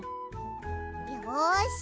よし！